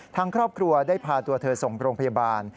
ทางครอบครัวได้พาตัวเธอส่งโรงพยาบาล